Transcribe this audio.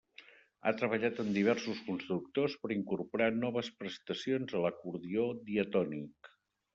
Ha treballat amb diversos constructors per incorporar noves prestacions a l’acordió diatònic.